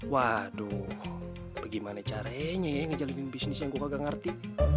waduh bagaimana caranya ya ngejelimin bisnis yang gue kagak ngerti